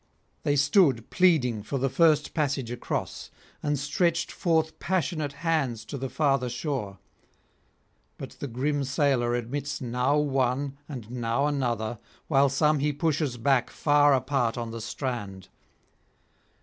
They stood pleading for the first passage across, and stretched forth passionate hands to the farther shore. But the grim sailor admits now one and now another, while some he pushes back far apart on the strand.